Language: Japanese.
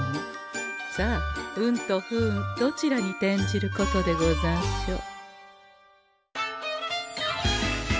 さあ運と不運どちらに転じることでござんしょう。